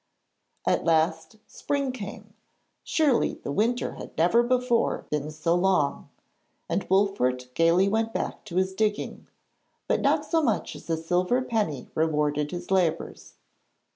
At last spring came surely the winter had never before been so long! and Wolfert went gaily back to his digging; but not so much as a silver penny rewarded his labours.